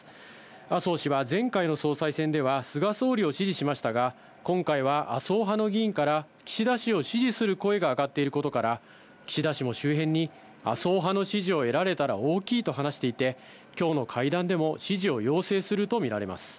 麻生氏は前回の総裁選では菅総理を支持しましたが、今回は麻生派の議員から、岸田氏を支持する声が挙がっていることから、岸田氏も周辺に、麻生派の支持を得られたら大きいと話していて、きょうの会談でも支持を要請すると見られます。